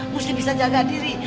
mesti bisa jaga diri